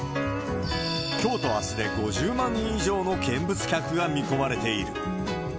きょうとあすで５０万人以上の見物客が見込まれている。